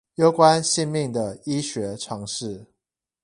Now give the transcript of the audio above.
攸關性命的醫學常識